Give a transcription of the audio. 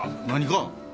何か？